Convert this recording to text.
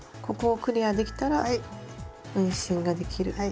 ここをクリアできたら運針ができる。